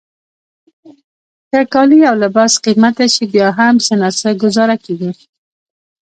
که کالي او لباس قیمته شي بیا هم څه ناڅه ګوزاره کیږي.